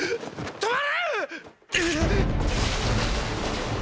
止まれ！